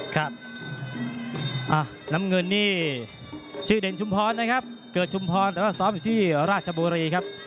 ครับน้ำเงินนี่ชื่อเด่นชุมพรนะครับเกิดชุมพรแต่ว่าซ้อมอยู่ที่ราชบุรีครับ